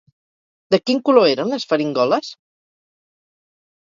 De quin color eren les faringoles?